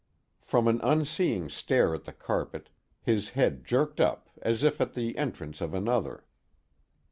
_ From an unseeing stare at the carpet, his head jerked up as if at the entrance of another.